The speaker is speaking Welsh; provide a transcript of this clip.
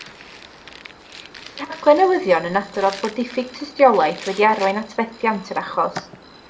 Mae rhaglen newyddion yn adrodd bod diffyg tystiolaeth wedi arwain at fethiant yr achos.